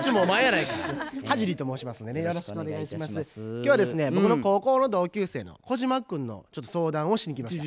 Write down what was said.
今日は僕の高校の同級生の小島君のちょっと相談をしに来ました。